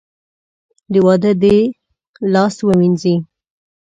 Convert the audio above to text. د واده دې لاس ووېنځي .